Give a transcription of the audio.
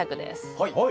はい。